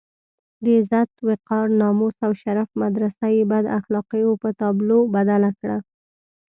د عزت، وقار، ناموس او شرف مدرسه یې بد اخلاقيو په تابلو بدله کړه.